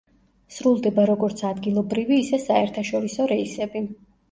სრულდება როგორც ადგილობრივი, ისე საერთაშორისო რეისები.